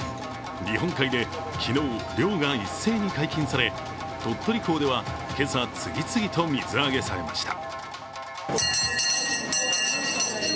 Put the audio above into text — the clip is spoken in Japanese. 日本海で昨日、漁が一斉に解禁され、鳥取港では今朝、次々と水揚げされました。